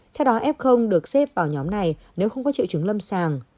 theo đó f được xếp vào nhóm này nếu không có chịu trứng lâm sàng